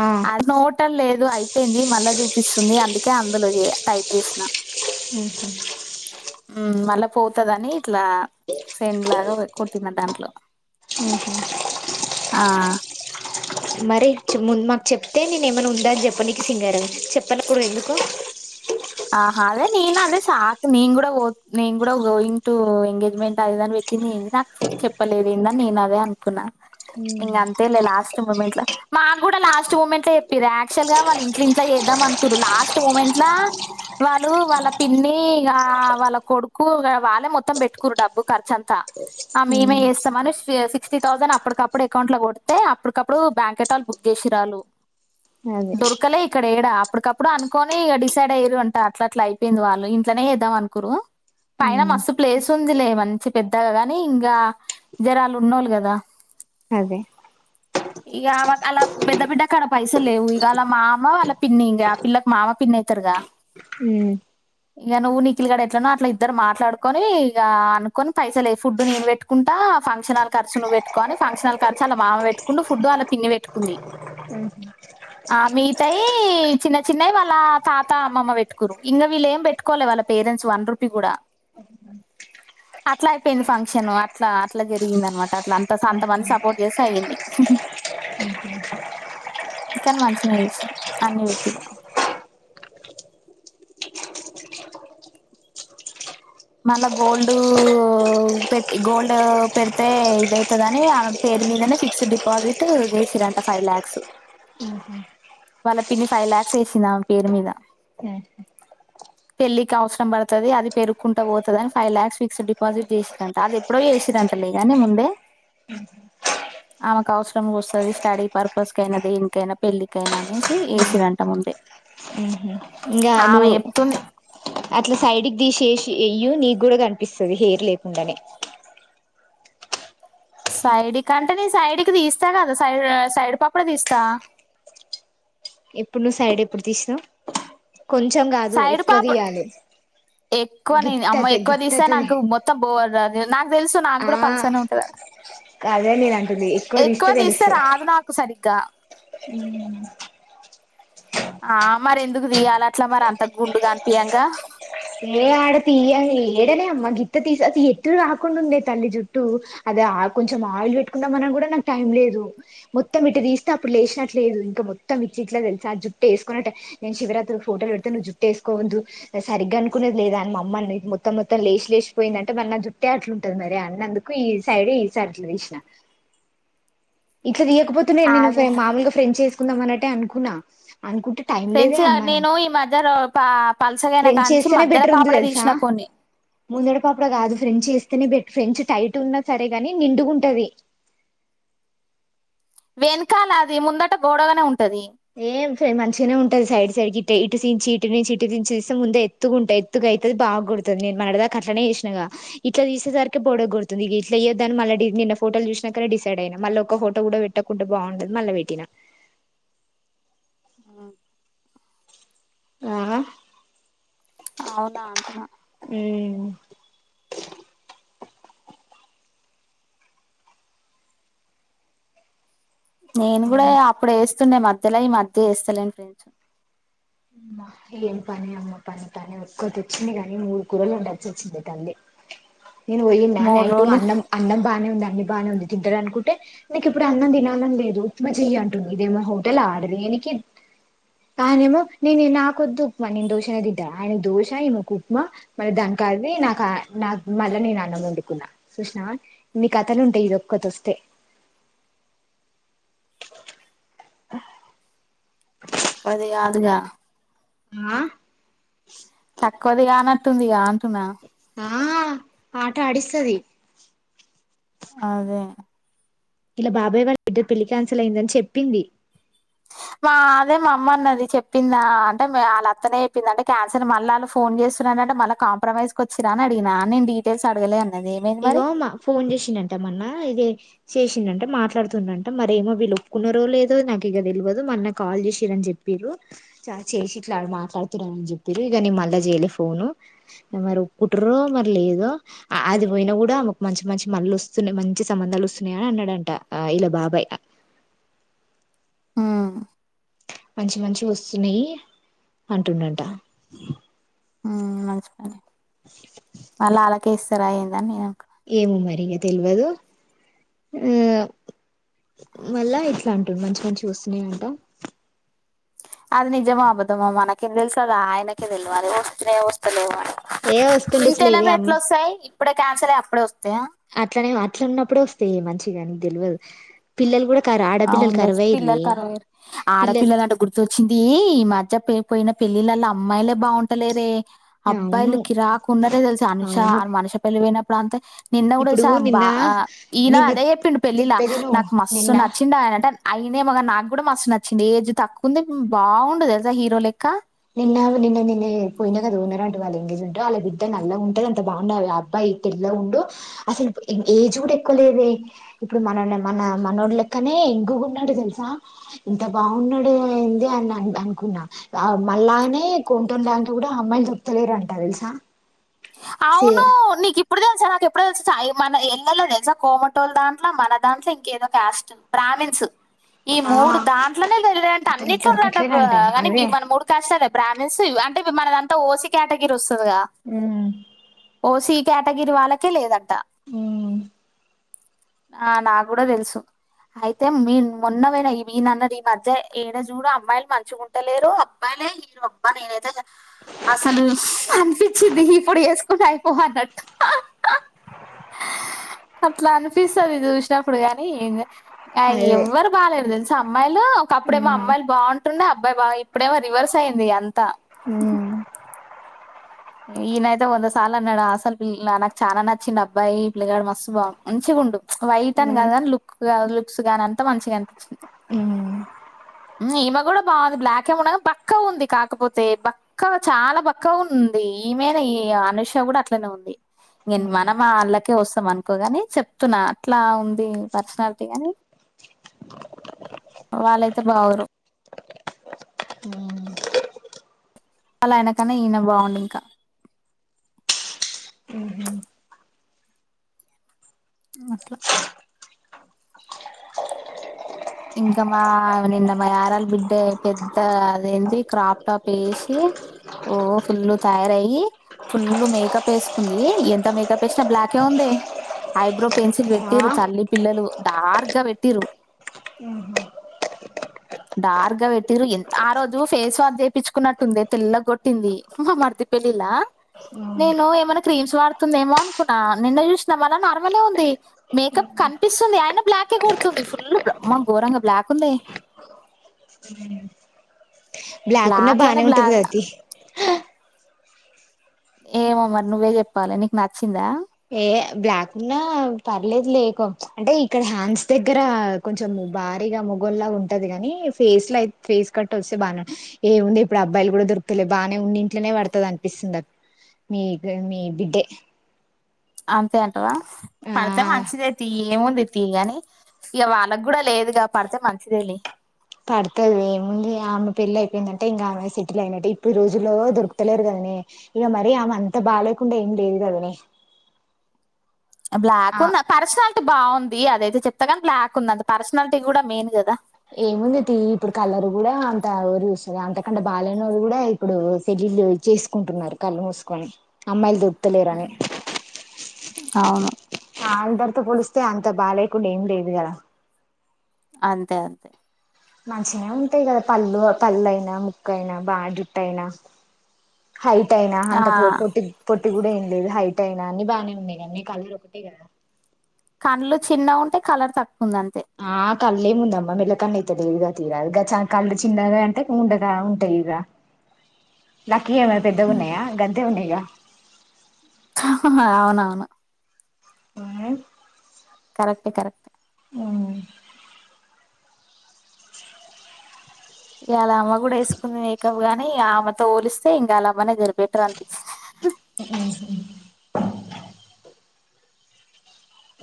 ఆ అది నోటలు లేదు అయిపోయింది మళ్ళా చూపిస్తుంది అందుకే అత్ టైప్ చేసిన ఉహు ఉ మళ్ళా పోతదని ట్లా సెండ్లాగ కొట్టిన దాంట్లో ఆహు ఆ మరి మాకు చెప్తే నేను ఏమైనా ఉందా అని చెప్ప నకు సింగార చెప్పనుప్పుడు ఎందుకు. ఆహా అదే నేను అదే సాాక్ నేను కూడా నేను కూడా గోయింగ్ టు ఎంగేజ్మెంట్ అదదని పెట్టింది నాకు చూ చెప్పలేదు ఏందని నేను అదే అనుకున్నాను. ఉమ్ ఇంకా అంతేలే లాస్ట్ లాస్ట్ మూమెంట్ లో మాకు కూడా లాస్ట్ మూమెంట్ చెప్పారు యాక్చువల్ గా వాళ్ళ ఇంట్ ఇట్లో వేద్దాం అనుకురు లాస్ట్ మూమెంట్ లో వాళ్ళు వాళ్ళ పిన్ని ఇ వాళ్ళ కొడుకు వాళ్ళే మొత్తం పెట్టుకురు డబ్బు ఖర్చు అంతా ఆ మేమే చేస్తామని సిక్స్టీ థౌసండ్ అప్పటికప్పుడు అకౌంట్ లో కొడితే అప్పుటికప్పుడు బ్యాంక్ ఎటళ బుక్ చేసిరాళ్ళు అదే దొరకలే ఇక్కడ ఏడా అప్పుటికప్పుడు అనుకోని సైడ ఎరు అంట అట్లా అట్లా అయిపోయింది వాళ్ళు ఇంట్లోనే వద్దాం అనుకురు పైన ఉమ్ మస్తు ప్లేస్ ఉందిలే మంచి పెద్దగా ని ఇంకా జర ఉన్న వాళ్ళు కదా అదే ఇక అలా పెద్ద బిడ్డ కాడ పైస లేవు ఇక అలా మామ వాళ్ల పిన్ని ఇంక ఆ పిల్లకి మామ పిన్న ఉమ్ ఇక నువ్వు నికుల్గాడ ఎట్లనో అట్లా ఇద్దరు మాట్లాడుకొని ఇక అనుకొని పైస లేదు ఫుడ్ నేను పెట్టుకుంటా ఫంక్షన హాల్ ఖర్చు నువ్వు పెట్టుకని ఫంక్షనల్ ఖర్చు అళ మామ పెట్టుకుంటూ ఫుడ్ వాళ పిన్ని పెట్టుకుంది ఆ మిగతయి చిన్న చిన్నవి వాళ్ళ తాత అమ్మమ్మ పెట్టుకురు ఇంకా వీళ్ళ ఏం పెట్టుకోవలే వాళ్ళ పేరెంట్స్ వన రూపీ కూడా అట్లా అయిపోయింది ఫంక్షన్ అట్లా అట్లా జరిగింది అనమాట అట్ అంత అంతమంది సపోర్ట్ చేస్తే అయిందిం కాని మంచిన చేసింది అన్ని పెట్టిర మళ్ళా గోల్డ్ పెట్టి గోల్డ్ పెడితే ఇదైతది ఆమె పేరు మీదనే ఫిక్స్డ్ డిపాజిట్ చేసిరంట ఫైవ్ ల్యాక్స్ ఊహు వాళ్ళ పిన్ని ఫైవ్ లాక్స్ వేసింది ఆమె పేరు మీద పెళ్ళికి అవసరం పడతది అది పేరు కు పోతుంది అని ఫైవ్ లాక్స్ ఫిక్స్డ్ డిపాజిట్ చేసిరంట అది ఎప్పుడో చేసిరంటలే ని ముందే ఆమెకు అవసరం వస్తుంది స్టడీ పర్పస్ కయినా దేనికైనా పెళ్ళకైనా అనేసి ఏసిండ్రు ముందే ఇంకా ఆమె నువ్వు చెప్తుంది అట్లా సైడ్కి దది చేసి వెయ్య నీకు కూడా కనిపిస్తుది హెర్ లేకుండానే సైడికి అంటే సైడుకి తీస్తా కదా సైడ్ సైడ్ పాప్పుడు తీస్తా. ఎప్పుడు నువ్వు సైడ్ ఎప్పుడు తీసినావ్ సైడ్ పాప ఎక్కువ న గిత్తత అమ్మ ఎక్కువ తీస్తే గిత్తతది నాకు మొత్తం పోడ నాకు తెలుసు నాకు ఆ కూడా పలుసనే ఉంటదా అదే నేను అంటుది ఎక్కువది తీస్తే తెలుసు రాదు నాకు సరిగ్గా ఆ మరి ఎందుకు తీయాల అట్లా మరి అంత గుండుగా అనిపియంగా ఏ ఆడతి అని ఏడనే అమ్మా గిత్త తీస ఎతు రాకుండా ఉందే తల్లి జుట్టు అది కొంచెం ఆయిల్ పెట్కున్నా మనం కూడా నాకు టైం లేదు మొత్తం ఇట్టు తీస్తే అప్పుడు లేచినట్లేదు ఇంకా మొత్తం ఇచ్చి ఇట్లా తెలుసా ఆ జుట్టు వేసుకున్నట్ నేను శివరాత్రు ఫోటోలు పెడతే జుట్టు వేసుకోవద్దు సరిగ్గాను. కున్నది లేదా అని మమ్మది మొత్తం మొత్తం లేచి లేచిపోయిందంటే మ జుట్టే అట్లు ఉంటది మరి అన్నందుకు ఈ సైడ ఈస అట్లు వసిన అట్లా తీయకపోతున్నాను నేను అదే మామూలుగా ఫ్రెండ్స్ చేసుకుంటా అకుందా అన్నటే అనుకున్నా అనుకుంటే టైం లేదే ఫ్రెండ్స్ గా అమ్మా నేను నాకు ఈ మధ్య పల్సగైన కా నుంచి మధ్య ఎక్కడ ఉందో తెలుసా ముందడి పాపడ కాదు ఫ్రెండ్ చేస్తేనే ట్ ఫ్రెంచ్ టైట్ ఉన్నా సరేగాని నిండుగ ఉంటది వెనకాల అది ముందట బోడగా ఉంట ఏం స మంచిగానే ఉంటంది సైడ్ సైడ్ క ఇ ఇటుంచి ఇటు నుంచి ఇటు తీస్తే ముందే ఎతుగా ఉంటాయి ఎత్తుగా అయితుది బాగుడతుంది నేను మనదాకా అట్లనే చేసినాగా ఇట్లా తీసేసరికి బోడగా కొడుతుంది ఇట్లా ఇయొద్దాని మళ్ళ నిన్న ఫోటోలు చూసినాకనే డిసైడ్ అయినా మళ్ళ ఒ ఒక ఫోటో కూడా పెట్టకుండా బాగుండదు మళ్ళ పెట్టినా ఆ ఆ అవునా అంటున్నా ఉమ్ నేను కూడా అమ్మ అప్పుడే వేస్త వేస్తుండే మధ్యలో ఈ మధ్య ఏస్తలేను ఫ్రెండ్స్ మ్ ఏం పని అమ్మ పని పని ఒక్కటి వచ్చింది కాని మూడు కూరు లు ఉండచ్చ వచ్చింది తల్లి నేను పోయిండా మూడు నైటు రోజులు అన్నం అన్నం బానే అన్ని బాగానే ఉంది తిటాలీ అనుకుంటే నీకు ఇప్పుడు అన్నం తినాలని లేదు ఇప్పుడు చేయి అంటుంది ఇదేమో హోటల్ ఆర్డర్ చేయటానికి తనేమో నేను నాకొద్దు ఉప్మా నేను దోష తింట ఆయన దోష ఈమే కు ఉప్మా మళ్ళీ దానికి అది మళ్ళీ నేను అన్నం వండుకున్న చూసావా ఇన్ని కథలు ఉంటాయి ఇక్కడికి వస్తె హా అది కాదుగా ఆ తక్కువది కానట్టుందిగా అంటున్నా ఆ ఆట ఆడిస్తది అదె ఇల బాబాయ్ వాళ్ళ బిడ్డ పెళ్లి కాన్సిల్ అయిందని చెప్పింది వా అదే మా అమ్మ అన్నది చెప్పిందా అంటే వాళ్ళ అత్తనే చెప్పింది అంటే క్యాన్సెల్ మళ్ళ ఆళ్ళు ఫోన్ చేస్తురంట మళ్ళ కాంప్రమైజ్ కొచ్చిరు అని అడిగినా నేను డీటెయిల్స్ అడగలే అన్నది ఏమైంది మరి ఇగో మా ఫోన్ చేసిండంట మన్నా ఇదే చేసిండంట మాట్లాడుతున్నడంట మరేమో వీళ్ళు ఒప్పుకున్నారో లేదో నాకు ఇగ తెల్వదు మా అన్నా కాల్ చేసిరని చెప్పిండు చ చేసి పోయిన గుడ ఆమెకు మంచి మంచి మల్లొస్తునాయి మంచి సంబంధాలు వస్తున్నాయని అన్నడంట అ ఇల బాబాయి హా మంచి మంచి వస్తున్నాయి అంటుండంట ఉ మంచిపని అలా అలా కేసర అయిందనయ ఏమో మరి తెల్వదు ఆ మళ్ళ ఇట్లా అంటుండు మంచి మంచి వస్తున్నాయి అంట అది నిజమా అబద్ధమా మనకేం తెలుస్థాధి అ ఆయనకే తెలియాల వస్తున్నయో వస్తలేవో అని ఏ వస్తుండొచ్చు ఇంత లేవే ఎలమె అమ్మ ఎట్లా వస్తాయి ఇప్పుడే క్యాన్సిల్ అయి అప్పుడే వస్తాయా అట్లనే అట్లునపుడే వస్తాయి మంచి కానీ తెల్వదు పిల్లలు గుడా ఆ ఉండొచ్చు పిల్లలు కరువయిరు పిల్లలు ఆడపిల్లల అంటే గుర్తొచ్చిందీ మా అత్త పోయిన పెళ్ళిళ్ళల అమ్మాయిలే బాగుంటలేరే అవును అబ్బాయిలు కిరాక్ ఉన్నరే తెలుసా అనుషా అవును మనుష పెళ్లి పోయినప్పు ప్రాంత నిన్న గుడ ఇప్పుడు స నిన్న బా ఈయన నిన్న అదే చెప్పిండు పెళ్ళిల చెప్పేది నువ్వు నాకు మస్తు నిన్న నా అంటే అయింది ఏమో గానీ నాకు కూడా మస్తు నచ్చిండు ఏజ్ తక్కువ ఉంది బాగుండు తెల్సా హీరో లెక్క నిన్నా నిన్న నిన్న పోయినా కదా ఉన్నర అంట వాళ్ళ ఎంగేజ్మెంట్ లో వాళ్ళ బిడ్డ నల్లగుంటది అంత బాగుండదు అబ్బాయి తెల్లగ ఉండు అసలు ఏజ్ గూడ ఎక్కువ లేవే ఇప్పుడు మన మన మనోడిలెక్కనే యంగ్ గ ఉన్నాడు తెలుసా ఎంత బాగున్నాడే ఎంది అని అనుకున్నా మనలాగనే కోమటోల్ దాంట్లో గుడా అమ్మాయిలు దొర్కుతలేరంట తెలుసా సి అవును నీకిప్ ఇప్పుడు తెలుసా నాకు ఎప్పుడో తెలుస సాయి మన ఇళ్లలో తెలుసా కోమటోలు దాంట్లో మన దాంట్లో ఇంకేదో క్యాస్ట్ బ్రాహ్మిన్స్ ఈ ఆ మూడు దాంట్లోనే లేరంట అనిట్లో ఉన్నరంట దొరకట్లేదంట కాని అదే మన మూడు కాస్ట్‌లో బ్రాహ్మిన్స్ అంటే మనదంతా ఓసీ కేటగిరీ వస్తదిగా ఉహ్ ఓసి కేటగిరి వాళ్ళకే లేదంట ఉహ్ ఆ నా కూడా తెలుసు అయితే మీ మొన్నవొయిన మీనన్నది ఈ మధ్య ఏడ చూడు అమ్మాయిలు మంచిగుంటలేరు అబ్బాయిలే హీరో అబ్బా నేనైతే అసలు అని చ్చిది ఇప్పుడు చేసుకుంటే అయిపోవన్నట్టు హ హ అట్లా అనిపిస్తది చూసినప్పుడు కానీ ఆ అదే ఎవ్వరు బాలేదు తెలుసా అమ్మాయిలు ఒకప్పుడేమో ఉమ్ అమ్మాయిలు బాగుంటుండే అబ్బాయి బా ఇప్పుడేమో రివర్స్ అయింది అం త్త ఈయనైయితే వంద సార్లు అన్నాడు అసలు పిల్ల నాకు చాలా నచ్చిండు అబ్బాయి పిల్లగాడు మస్తు బా మంచిగా ఉండు వైట్ అని కాదు కాని లుక్ లుక్స్ గాని అంత మంచిగా అనిపిచింది ఉమ్ ఈమె కూడా బాగుంది బ్లాక్ ఏ ఉండె గాని బక్కగ ఉంది కాకపోతే బక్కగ చాలా బక్కగ ఉంది. ఈమెనె ఈ అనుష కూడా అట్లనే ఉంది నేను మనం అళ్ళకే వస్తాం అనుకోగాని చెప్తున్నా అట్లా ఉంది పర్సనాలిటీ గాని వాళ్ళయితే బాగురు వాళ్ళ ఆయనకన్నా ఈయన బాగుండు ఇంకా అట్ల ఇంకా మా నిన్న మా యరాల బిడ్డ పెద్ద అదేంటి క్రాప్ టాప్ వేసి ఓ ఫుల్లు తయారయి ఫుల్ మేకప్ వేసుకుంది. ఎంత మేకప్ వేసినా బ్లాకే ఉంది. ఐబ్రో పెన్సిల్ ఆ పెట్టిరు తల్లి పిల్లలు డార్క్ గా పెట్టిరు డార్క్ గా పెట్టిరు ఆ రోజు ఫేస్ వాష్ చేపిచ్చుకున్నట్టుంది తెల్లగ కొట్టింది. మా మర్ది పెళ్లిలా నేను ఏమైనా క్రీమ్స్ వాడుతుందేమో అనుకున్నా నిన్న చూసినా మళ్ళ నార్మలే ఉంది. మేకప్ కనిపిస్తుంది అయిన బ్లాకే కొడుతుంది. ఫుల్ ఆమ్మో గోరంగ బ్లాక్ ఉంది బ్లాక్ ఉన్నా లోనే బాగానే ఉంటది కదా బ్లాక్ తీ ఏమో మరి నువ్వే చెప్పాలి నీకు నచ్చిందా ఏ బ్లాక్ ఉన్నా పర్లేదు లేకో అంటే ఇక్కడ హ్యాండ్స్ దగ్గర కొంచెం భారీగా మొగోల్లాగా ఉంటది. కాని ఫేస్ లో అయి ఫేస్ కట్ వస్తే బాగానే ఉంటది. ఏముంది ఇప్పుడు అబ్బాయిలు కూడా దొరుకుతలే బాగానే ఉన్ని ఇంట్లోనే పడతది అనిపిస్తుంది. అ మీ మీ బిడ్డే అంతే అంతే పడితే ఆ మంచిదే తి ఏముంది తీ గాని ఇక వాళ్ళకి కూడా లేదుగా పడితే మంచిదేలే పడుతుది ఏముంది ఆమె పెళ్లి అయిపోయిందంటే ఇంకా ఆమె సెటిల్ అయినట్టే. ఇప్పుడు రోజుల్లో దొరుకుతలేరు కదనే ఇక మరీ ఆమె అంత బాగాలేకుండా ఏం లేదు కదనే. బ్లాక్ ఆ ఉన్నా పర్సనాలిటీ బాగుంది అది అయితే చెప్తాగాని బ్లాక్ ఉంది పర్సనాలిటీ కూడా మెయిన్ కదా ఏముంది తి ఇప్పుడు కళ్ళర్ కూడా అంత ఎవరు చూస్తు అంతకంటే బాలేనోళ్లు కూడా ఇప్పుడు షెడ్యూల్డ్ చేసుకుంటున్నారు కళ్ళు మూసుకొని అమ్మాయిల్ దో క్త లేరని అవును ఆ అందర్ తో పోలుస్తే అంత బా లేకుండా ఏం లేదు కద అంతే అంతే మంచిినే ఉంటాయి కదా పళ్ళు కళ్ళైనా ముకైన బా జుటైనా హైట్ అయినా ఆ అంత పో పొట్టి పోట్ ట్టి కూడా ఏం లేదు హైట్ అయినా అని బానే ఉన్నాయి గానీ నీ కలర్ ఒకటే కదా కండ్లు చిన్నగుంటే కలర్ తక్ ఆ కళ్ళే ముందమ్మా మెల్ల కన్నె త లేదుగా తీయరాదు గ చ కళ్ళు చిన్నగా అంటే ఉండగా ఉంటాయ్ ఇగ లక్కీ యెమన్న ఉమ్. పెద్దగుంన్నాయా గంతే ఉన్నాయ్ గా అవునవును హుమ్ కరెక్ట్ ఏ కరెక్ట్ ఏ హు ఇ అల్ల అమ్మ కూడా వేసుకుంది మేకప్ గాని అమెతో పోలిస్తే ఇంగళ్ళవ్వనే జెరి బెటారనిపిిచ్ హు మ్ మ్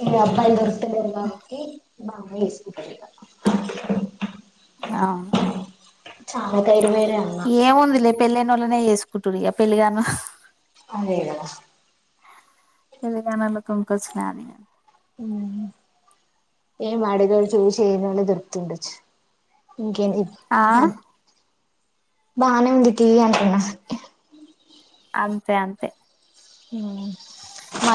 ఇ మైలు దొరికుత లేరు కాబట్టి బానే చేసుకుంటాడు ఇగ ఆ చానకా ఇరవై ఎం ఉందిలే పెలైనోళ్లనే చేేస్ కుటుండి గప్ అదే గదా పెళ్లి కానోళ్లకొంకొచ్చినది ఇగ హు ఏం మడుగాడు చూస్ ఏజ్ లోనే దొరుకుతుండొచ్చు ఇకేంది ఆ మరి బానే ఉంది తియ్ అంటున్నా అంతే అంతే హు మర్